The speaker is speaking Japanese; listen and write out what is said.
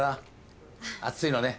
熱いのね。